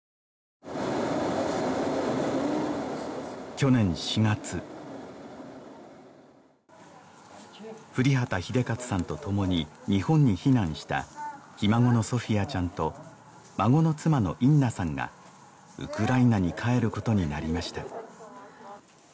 去年４月降籏英捷さんとともに日本に避難したひ孫のソフィアちゃんと孫の妻のインナさんがウクライナに帰ることになりました